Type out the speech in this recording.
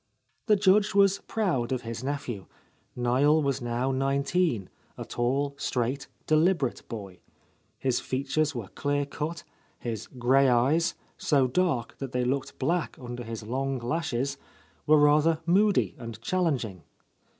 The Judge was proud of his nephew. Niel was now nineteen, a tall, straight, deliberate boy. His features were clear cut, his grey eyes, so dark that they looked black under his long lashes, were rather moody and challenging.